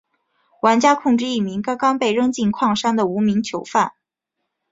玩家控制一名刚刚被扔进矿山的无名囚犯。